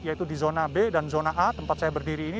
yaitu di zona b dan zona a tempat saya berdiri ini